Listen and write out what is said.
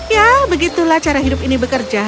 ya begitulah cara hidup ini bekerja